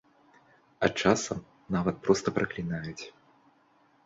А часам нават проста праклінаюць.